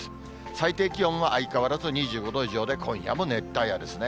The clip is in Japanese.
最低気温は相変わらず２５度以上で、今夜も熱帯夜ですね。